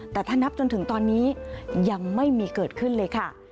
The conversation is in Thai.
แต่ถ้านับจนถึงตอนนี้ยังไม่มีเกิดขึ้นเลยค่ะ